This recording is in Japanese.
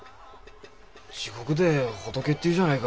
地獄で仏っていうじゃないか。